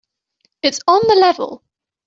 It's on the level.